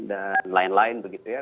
dan lain lain begitu ya